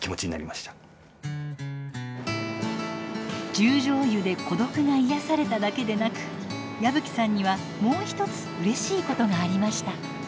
十條湯で孤独が癒やされただけでなく矢吹さんにはもう一つうれしいことがありました。